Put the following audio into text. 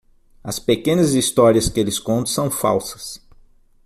As pequenas histórias que eles contam são falsas.